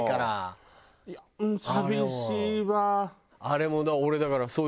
あれも俺だから。